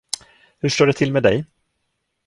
Hur står det till med dig?